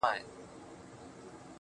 نو دا په ما باندي چا كوډي كړي.